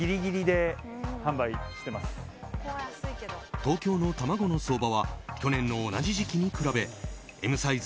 東京の卵の相場は去年の同じ時期に比べＭサイズ